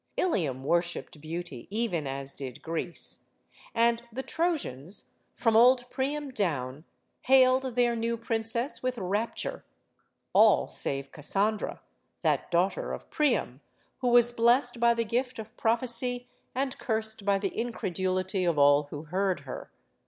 Ilium worshipped beauty, even as did Greece. And the Trojans, from old Priam down, hailed their new princess with rapture ; all save Cassandra, that daughter of Priam who was blest by the gift of prophecy and cursed by the incredulity of all who heard her.